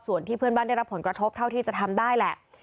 ส่วนที่เพื่อนบ้านได้รับผลกระทบเท่าที่จะทำได้แหละ